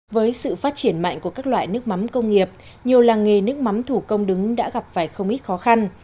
với sự phát triển mạnh của các loại nước mắm công nghiệp nhiều làng nghề nước mắm thủ công đứng đã gặp phải không ít khó khăn